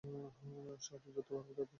সহজেই ধরতে পারবো তাদের।